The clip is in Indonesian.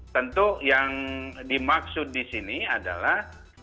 tentu yang dimaksud disini adalah